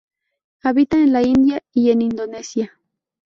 Habita en la India y en Indonesia.